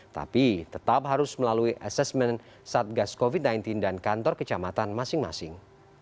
tapi tetap harus melalui asesmen satgas covid sembilan belas dan kantor kecamatan masing masing